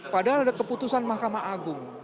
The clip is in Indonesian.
padahal ada keputusan mahkamah agung